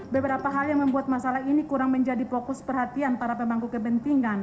beberapa hal yang membuat masalah ini kurang menjadi fokus perhatian para pemangku kepentingan